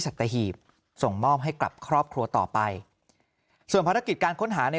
สัตหีบส่งมอบให้กับครอบครัวต่อไปส่วนภารกิจการค้นหาใน